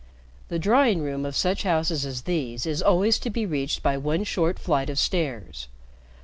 The drawing room of such houses as these is always to be reached by one short flight of stairs.